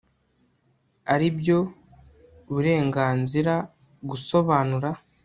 aribyo bure nganziragusobanura